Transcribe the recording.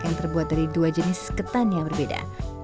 yang terbuat dari dua jenis ketan yang berbeda